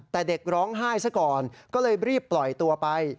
แต่เด็กร้องไห้ซะก่อนก็เลยรีบปล่อยตัวไป